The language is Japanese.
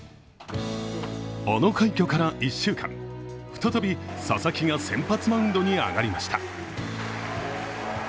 あの快挙から１週間、再び佐々木が先発マウンドに上がりました。